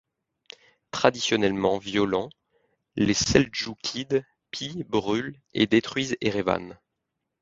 Traditionnellement violents, les Seldjoukides pillent, brûlent et détruisent Erevan.